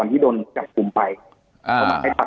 จนถึงปัจจุบันมีการมารายงานตัว